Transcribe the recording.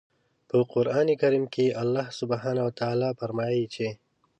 په قرآن کریم کې الله سبحانه وتعالی فرمايي چې